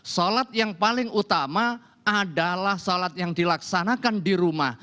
sholat yang paling utama adalah sholat yang dilaksanakan di rumah